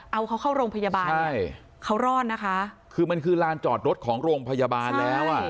เอาเขาเข้าโรงพยาบาลใช่เขารอดนะคะคือมันคือลานจอดรถของโรงพยาบาลแล้วอ่ะ